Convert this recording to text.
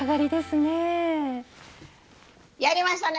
やりましたね！